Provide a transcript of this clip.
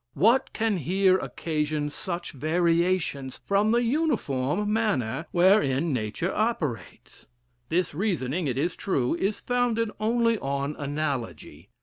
What can here occasion such variations from the uniform manner wherein nature operates? This reasoning, it is true, is founded only on analogy.